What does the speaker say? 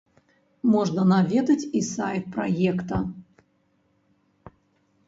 Можна наведаць і сайт праекта.